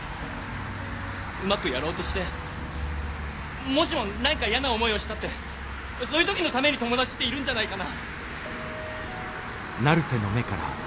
うまくやろうとしてもしも何か嫌な思いをしたってそういう時のために友達っているんじゃないかな。